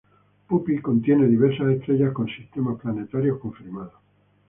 Puppis contiene diversas estrellas con sistemas planetarios confirmados.